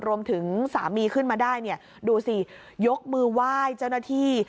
รวมถึงสามีขึ้นมาได้เนี่ยดูสิยกมือไหว้เจ้าหน้าที่